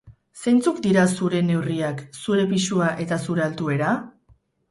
Zeintzuk dira zure neurriak, zure pisua eta zure altuera?